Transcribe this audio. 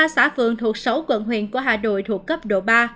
một mươi ba xã phường thuộc sáu quận huyện của hà đội thuộc cấp độ ba